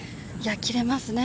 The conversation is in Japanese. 切れますね。